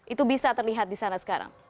itu bisa terlihat disana sekarang